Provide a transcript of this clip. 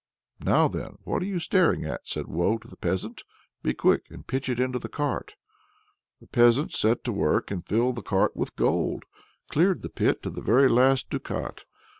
"Now then, what are you staring at!" said Woe to the peasant, "be quick and pitch it into the cart." The peasant set to work and filled the cart with gold; cleared the pit to the very last ducat.